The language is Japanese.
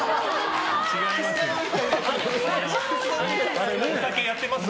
違いますよ。